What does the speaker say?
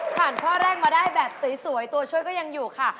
ข้อแรกมาได้แบบสวยตัวช่วยก็ยังอยู่ค่ะ